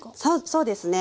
そうですね